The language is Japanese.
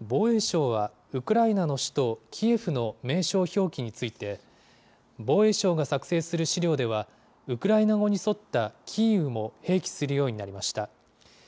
防衛省は、ウクライナの首都キエフの名称表記について、防衛省が作成する資料では、ウクライナ語に沿ったキーウも併記するようになりました。